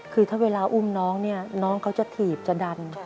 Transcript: คือถ้าเวลาอุ้มน้องเนี่ยน้องเขาจะถีบจะดัน